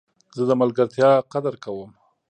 زه د ملګرتیا قدر کوم.